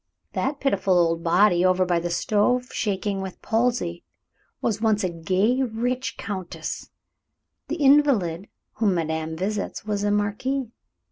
That pitiful old body over by the stove, shaking with palsy, was once a gay, rich countess; the invalid whom madame visits was a marquise.